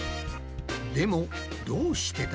でもどうしてだ？